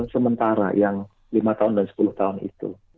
sementara yang lima tahun dan sepuluh tahun itu